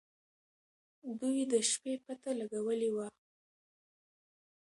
دوی د شپې پته لګولې وه.